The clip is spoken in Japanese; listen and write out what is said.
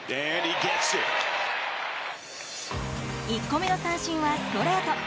１個目の三振はストレート。